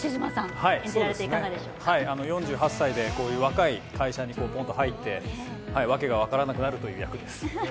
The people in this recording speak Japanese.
４８歳で若い会社にぽんと入って訳が分からなくなるという役です。